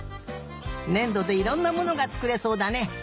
ねんどでいろんなものがつくれそうだね。